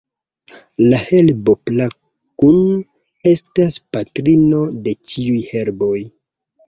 La herbo Plakun estas patrino de ĉiuj herboj.